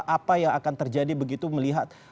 apa yang akan terjadi begitu melihat